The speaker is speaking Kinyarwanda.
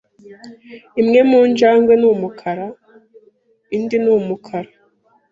Imwe mu njangwe ni umukara, indi ni umukara.